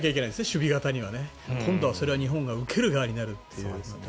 守備型にはね。今度はそれを日本が受ける側になるというね。